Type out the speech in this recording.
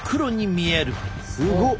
すごっ！